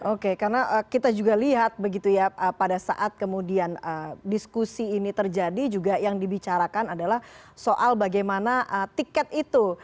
oke karena kita juga lihat begitu ya pada saat kemudian diskusi ini terjadi juga yang dibicarakan adalah soal bagaimana tiket itu